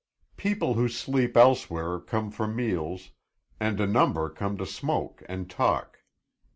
People who sleep elsewhere come for meals, and a number come to smoke and talk.